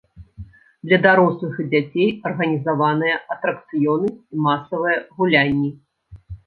Для дарослых і дзяцей арганізаваныя атракцыёны і масавыя гулянні.